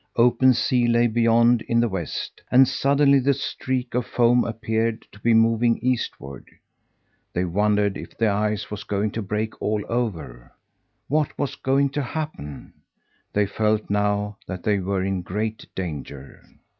Open sea lay beyond in the west, and suddenly the streak of foam appeared to be moving eastward. They wondered if the ice was going to break all over. What was going to happen? They felt now that they were in great danger.